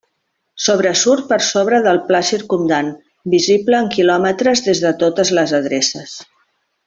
Sobresurt per sobre del pla circumdant, visible en quilòmetres des de totes les adreces.